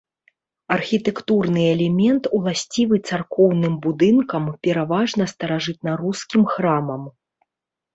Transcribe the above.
Архітэктурны элемент, уласцівы царкоўным будынкам, пераважна старажытнарускім храмам.